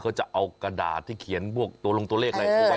เขาจะเอากระดาษที่เขียนพวกตัวลงโตะเลขไรชัย